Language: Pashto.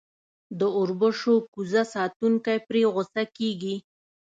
د اوربشو کوزه ساتونکی پرې غصه کېږي.